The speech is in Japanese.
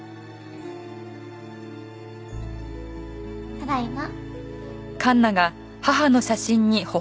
ただいま。